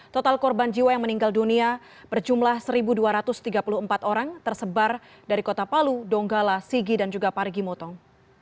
total korban jiwa yang meninggal dunia berjumlah satu dua ratus tiga puluh empat orang tersebar dari kota palu donggala sigi dan juga parigi motong